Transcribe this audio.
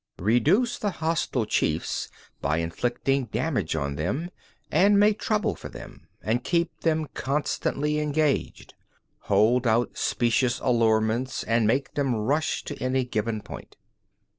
10. Reduce the hostile chiefs by inflicting damage on them; and make trouble for them, and keep them constantly engaged; hold out specious allurements, and make them rush to any given point.